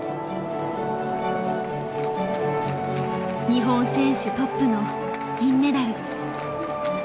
日本選手トップの銀メダル。